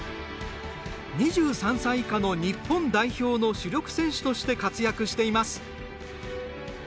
２３歳以下の日本代表の主力選手として活躍しています。